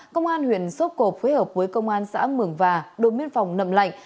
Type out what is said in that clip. công an huyện sốp cộp phối hợp với công an xã mường và đô miên phòng nậm lạnh